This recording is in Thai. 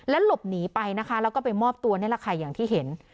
หลบหนีไปนะคะแล้วก็ไปมอบตัวนี่แหละค่ะอย่างที่เห็น